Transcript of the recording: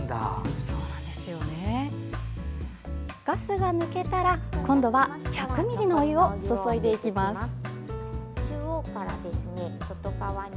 ガスが抜けたら、今度は１００ミリのお湯を注いでいきます。